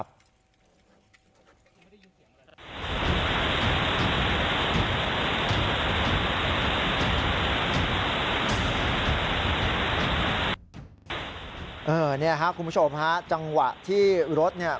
เนี่ยค่ะคุณผู้ชมจังหวะที่รถเนี่ย